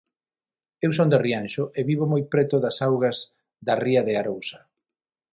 Eu son de Rianxo e vivo moi preto das augas da ría de Arousa.